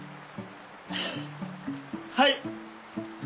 はい！